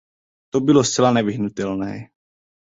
To bylo zcela nevyhnutelné.